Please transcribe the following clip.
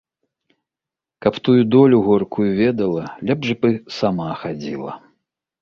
Каб тую долю горкую ведала, лепш бы сама хадзіла.